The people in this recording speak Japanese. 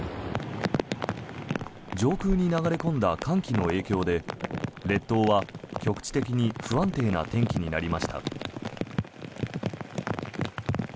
上空に流れ込んだ寒気の影響で列島は局地的に不安定な天気になりました。